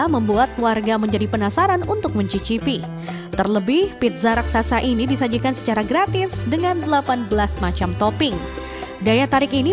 pembuatan dua buah pizza raksasa ini dilakukan di kabupaten bojonegoro minggu pagi